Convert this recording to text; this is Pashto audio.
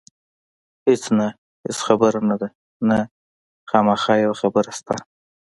هېڅ نه، هېڅ خبره نه ده، نه، خامخا یوه خبره شته.